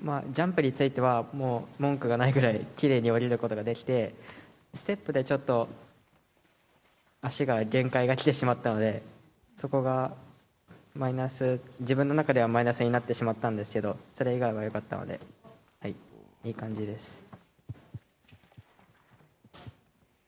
ジャンプについては、もう文句がないくらいきれいに下りることができて、ステップでちょっと、足が限界がきてしまったので、そこがマイナス、自分の中ではマイナスになってしまったんですけど、それ以外はよかったのでという感じです。